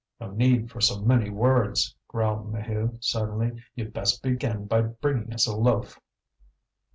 "No need for so many words," growled Maheu suddenly. "You'd best begin by bringing us a loaf."